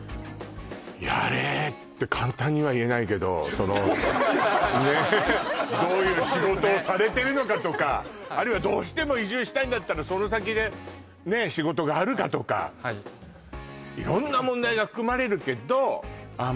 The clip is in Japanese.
そうですねどういう仕事をされてるのかとかあるいはどうしても移住したいんだったらその先でね仕事があるかとかはい色んな問題が含まれるけどああ